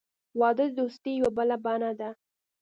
• واده د دوستۍ یوه بله بڼه ده.